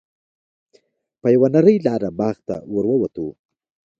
په یوه نرۍ لاره باغ ته ور ووتو.